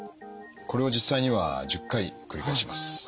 これを実際には１０回繰り返します。